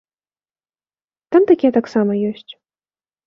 Там такія таксама ёсць.